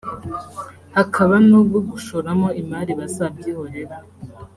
hakaba n’ubwo gushoramo imari bazabyihorera